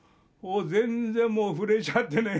全然もう震えちゃってね。